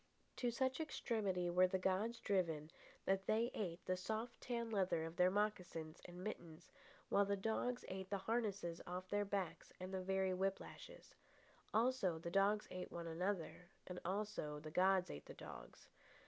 To such extremity were the gods driven that they ate the soft tanned leather of their mocassins and mittens, while the dogs ate the harnesses off their backs and the very whip lashes. Also, the dogs ate one another, and also the gods ate the dogs.